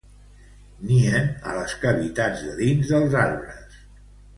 Nien a les cavitats de dins dels arbres.